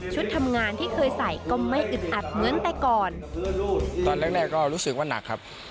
ทำงานที่เคยใส่ก็ไม่อึดอัดเหมือนแต่ก่อนตอนแรกแรกก็รู้สึกว่าหนักครับ